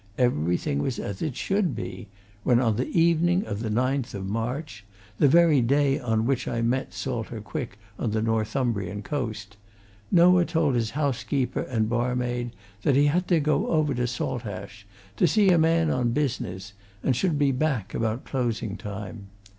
Everything was as it should be, when, on the evening of the 9th of March (the very day on which I met Salter Quick on the Northumbrian coast), Noah told his housekeeper and barmaid that he had to go over to Saltash, to see a man on business, and should be back about closing time.